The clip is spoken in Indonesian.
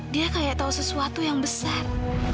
dia kayak tau sesuatu yang besar